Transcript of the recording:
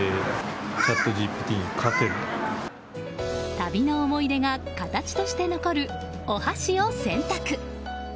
旅の思い出が形として残るお箸を選択。